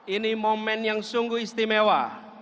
ini momen yang sungguh istimewa